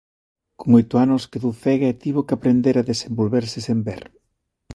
Con oito anos quedou cega e tivo que aprender a desenvolverse sen ver.